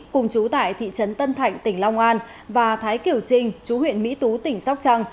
cùng chú tại thị trấn tân thạnh tỉnh long an và thái kiểu trinh chú huyện mỹ tú tỉnh sóc trăng